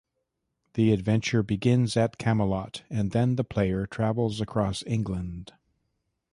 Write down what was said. The adventure begins at Camelot and then the player travels across England.